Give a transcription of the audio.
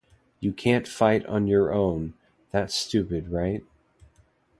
You can't fight on your own, that's stupid, right?